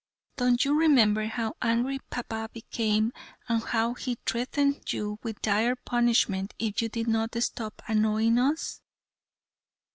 Don't you remember how angry Papa became, and how he threatened you with dire punishment if you did not stop annoying us?"